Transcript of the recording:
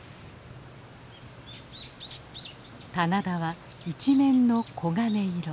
棚田は一面の黄金色。